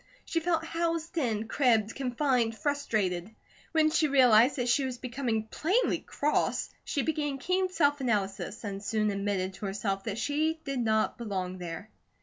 She felt housed in, cribbed, confined, frustrated. When she realized that she was becoming plainly cross, she began keen self analysis and soon admitted to herself that she did not belong there.